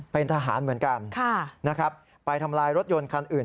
เป็นทหารเหมือนกันนะครับไปทำลายรถยนต์คันอื่น